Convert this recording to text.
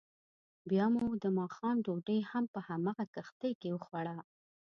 بیا مو دماښام ډوډۍ هم په همغه کښتۍ کې وخوړه.